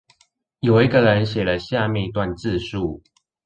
有一個人寫了下面一段自述